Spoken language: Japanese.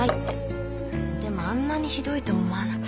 でもあんなにひどいとは思わなかった。